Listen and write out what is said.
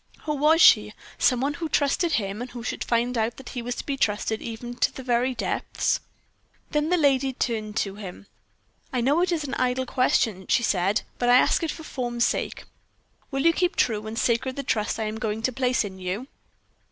Who was she? Some one who trusted him, and who should find that he was to be trusted even to the very depths. Then the lady turned to him. "I know it is an idle question," she paid, "but I ask it for form's sake. Will you keep true and sacred the trust I am going to place in you?"